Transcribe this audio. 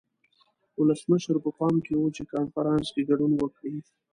ولسمشر په پام کې و چې کنفرانس کې ګډون وکړي.